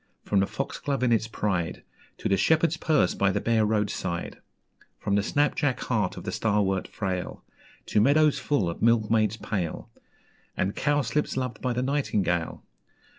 From the Foxglove in its pride, To the Shepherd's Purse by the bare road side; From the snap jack heart of the Starwort frail, To meadows full of Milkmaids pale, And Cowslips loved by the nightingale.